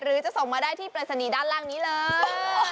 จะส่งมาได้ที่ปริศนีย์ด้านล่างนี้เลย